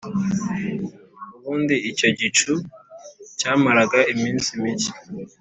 ubundi icyo gicu cyamaraga iminsi mike